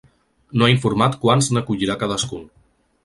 No ha informat quants n’acollirà cadascun.